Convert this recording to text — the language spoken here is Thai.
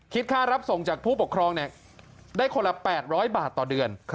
ค่ารับส่งจากผู้ปกครองได้คนละ๘๐๐บาทต่อเดือน